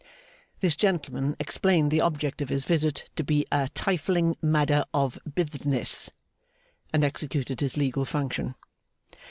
This gentleman explained the object of his visit to be 'a tyfling madder ob bithznithz,' and executed his legal function.